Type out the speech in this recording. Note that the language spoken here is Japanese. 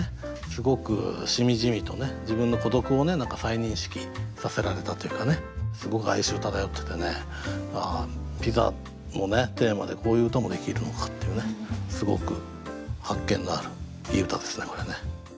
すごくしみじみと自分の孤独を何か再認識させられたというかすごく哀愁漂っててねああ「ピザ」のテーマでこういう歌もできるのかっていうねすごく発見のあるいい歌ですねこれね。